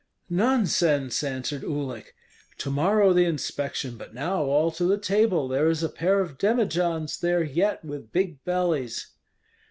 "Nonsense!" answered Uhlik. "To morrow the inspection, but now all to the table; there is a pair of demijohns there yet with big bellies."